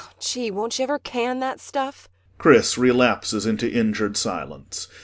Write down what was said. ] Gee, won't you ever can that stuff? [CHRIS relapses into injured silence.